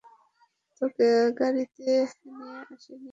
তোকে গাড়িতে নিয়ে আসেনি?